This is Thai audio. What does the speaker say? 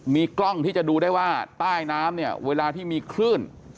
มีกล้องที่จะดูได้ว่าใต้น้ำเนี่ยเวลาที่มีคลื่น